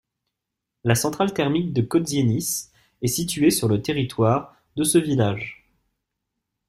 La Centrale thermique de Kozienice est située sur le territoire de ce village.